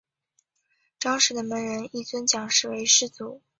章氏的门人亦尊蒋氏为师祖。